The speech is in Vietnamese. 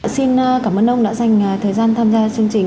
xin cảm ơn ông đã dành thời gian tham gia chương trình